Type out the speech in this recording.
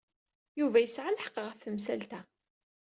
Yuba yesɛa lḥeqq ɣef temsalt-a.